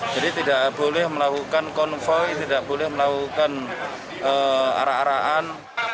jadi tidak boleh melakukan konvoy tidak boleh melakukan arah araan